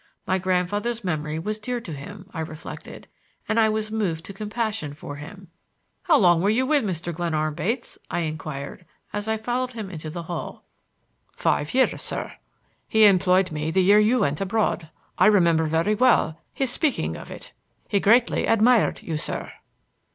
My grandfather's memory was dear to him. I reflected, and I was moved to compassion for him. "How long were you with Mr. Glenarm, Bates?" I inquired, as I followed him into the hall. "Five years, sir. He employed me the year you went abroad. I remember very well his speaking of it. He greatly admired you, sir."